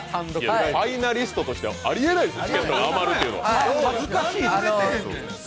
ファイナリストとしてはあり得ないですよ。